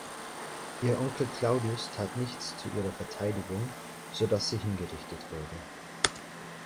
Ihr Onkel Claudius tat nichts zu ihrer Verteidigung, sodass sie hingerichtet wurde.